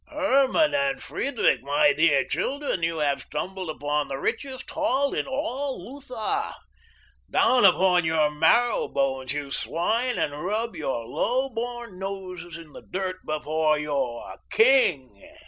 Herman and Friedrich, my dear children, you have stumbled upon the richest haul in all Lutha. Down upon your marrow bones, you swine, and rub your low born noses in the dirt before your king."